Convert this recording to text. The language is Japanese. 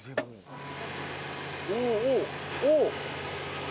おおおおおおっ！